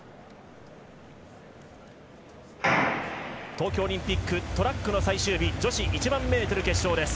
東京オリンピックトラックの最終日女子１００００ｍ決勝です。